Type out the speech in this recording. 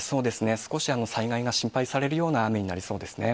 少し災害が心配されるような雨になりそうですね。